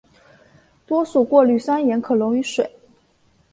多数过氯酸盐可溶于水。